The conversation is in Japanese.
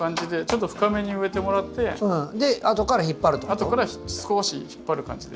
後から少し引っ張る感じで。